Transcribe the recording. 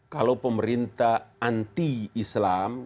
kalau pemerintah anti islam